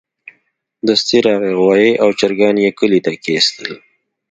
دستي راغی غوايي او چرګان يې کلي ته کېستل.